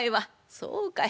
そうかい。